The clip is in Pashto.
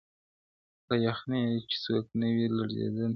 له یخنیه چي څوک نه وي لړزېدلي -